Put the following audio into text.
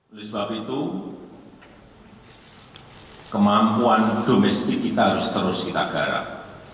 oleh sebab itu kemampuan domestik kita harus terus kita garap